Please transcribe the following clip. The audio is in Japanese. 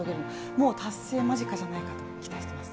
もう達成間近じゃないかと期待しています。